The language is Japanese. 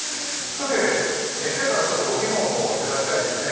さて先生からお見本もいただきたいですね。